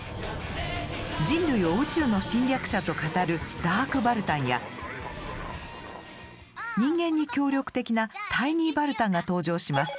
人類を宇宙の侵略者と語るダークバルタンや人間に協力的なタイニーバルタンが登場します。